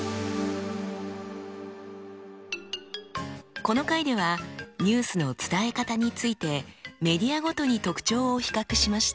この回ではニュースの伝え方についてメディアごとに特徴を比較しました。